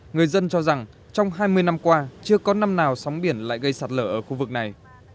người dân cho rằng trong hai mươi năm qua chưa có năm nào sóng biển lại gây sạt lở ở khu vực này